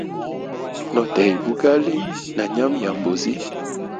No teya bugali na nyama ya mbuzi.